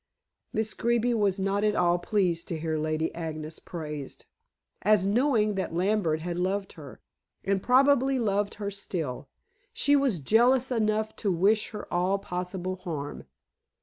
Miss Greeby was not at all pleased to hear Lady Agnes praised; as, knowing that Lambert had loved her, and probably loved her still, she was jealous enough to wish her all possible harm.